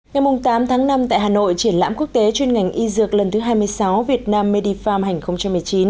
ngày tám tháng năm tại hà nội triển lãm quốc tế chuyên ngành y dược lần thứ hai mươi sáu việt nam medifarm hai nghìn một mươi chín